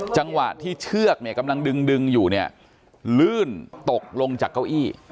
จังหวะที่เชือกเนี่ยกำลังดึงอยู่เนี่ยลื่นตกลงจากเก้าอี้